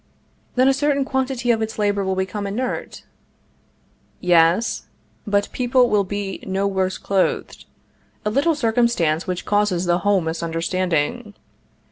Then a certain quantity of its labor will become inert? Yes; but people will be no worse clothed a little circumstance which causes the whole misunderstanding.